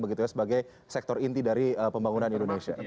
begitu ya sebagai sektor inti dari pembangunan indonesia